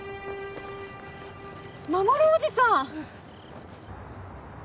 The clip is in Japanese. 守おじさん！